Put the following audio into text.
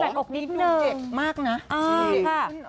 แวกอกนิดนึง